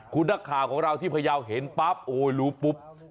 คุณนักข่าวของเราที่พยาวเห็นปั๊บโอ้ยรู้ปุ๊บ